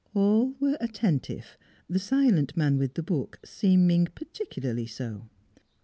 All were attentive the silent man with the book seeming particularly so.